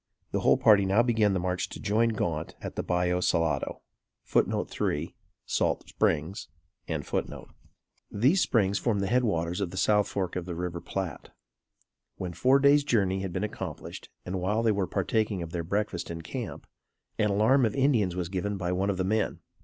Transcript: The whole party now began the march to join Gaunt at the Ballo Salado. [Footnote 3: Salt Springs.] These Springs form the head waters of the south fork of the River Platte. When four days' journey had been accomplished, and while they were partaking of their breakfast in camp, an alarm of Indians was given by one of the men.